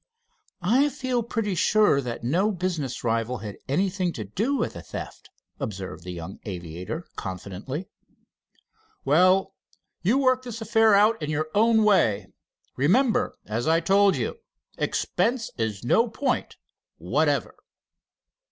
"I feel pretty sure that no business rival had anything to do with the theft," observed the young aviator confidently. "Well, you work this affair out in your own way. Remember, as I told you, expense is no point whatever.